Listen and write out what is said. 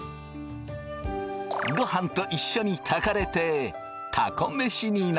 ごはんと一緒に炊かれてたこ飯になった。